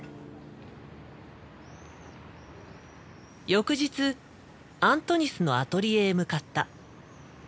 翌日アントニスのアトリエへ向かった。